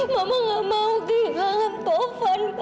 mama gak mau kehilangan taufan